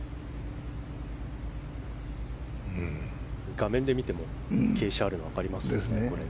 画面で見ても傾斜があるのが分かりますね。